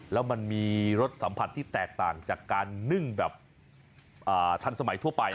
แล้วมันมีรสสัมผัสที่แตกต่างจากการนึ่งแบบทันสมัยทั่วไป